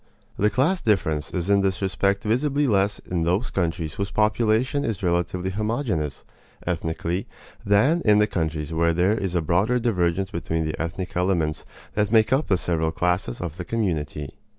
The class difference is in this respect visibly less in those countries whose population is relatively homogeneous, ethnically, than in the countries where there is a broader divergence between the ethnic elements that make up the several classes of the community.